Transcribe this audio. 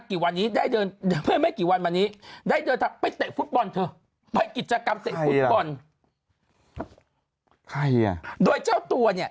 กิจกรรมเตะฟุตบอลใครอ่ะใครอ่ะโดยเจ้าตัวเนี้ย